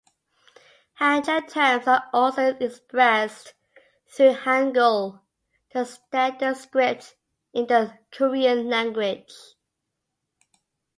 Hanja terms are also expressed through hangul, the standard script in the Korean language.